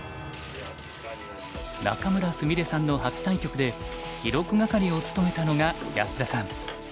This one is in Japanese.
仲邑菫さんの初対局で記録係を務めたのが安田さん。